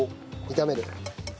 炒める。